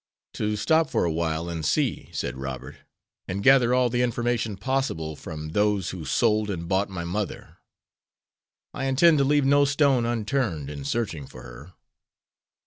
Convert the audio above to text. "To stop for awhile in C ," said Robert, "and gather all the information possible from those who sold and bought my mother. I intend to leave no stone un turned in searching for her."